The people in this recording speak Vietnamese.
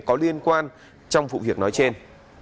có liên quan trong vụ việc nói trên